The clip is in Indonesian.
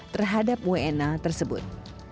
terhadap wna tersebut